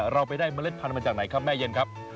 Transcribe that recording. เราไปได้เมล็ดพันธุ์มาจากไหนครับแม่เย็นครับ